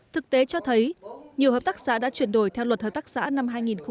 thực tế cho thấy nhiều hợp tác xã đã chuyển đổi theo luật hợp tác xã năm hai nghìn một mươi